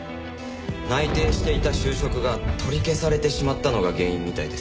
内定していた就職が取り消されてしまったのが原因みたいですよ。